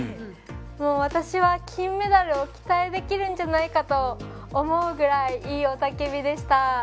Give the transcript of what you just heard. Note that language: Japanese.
私は、金メダルを期待できるんじゃないかと思うぐらいいい雄たけびでした。